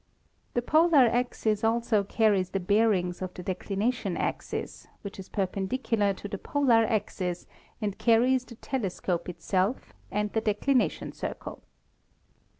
The polar axis also carries the bearings of the declination axis, which is perpendicular to the polar axis and carries the telescope itself and the declination circle.